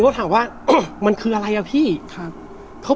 เขาบอกว่าเขาเรียกว่าเฉลว